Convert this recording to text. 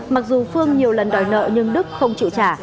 mặc dù phương nhiều lần đòi nợ nhưng đức không chịu trả